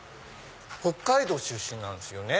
北海道出身なんすよね？